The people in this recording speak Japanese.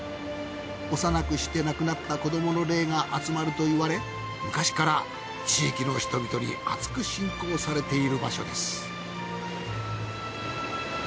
幼くして亡くなった子どもの霊が集まるといわれ昔から地域の人々にあつく信仰されている場所です。